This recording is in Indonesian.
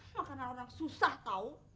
makanan orang susah tau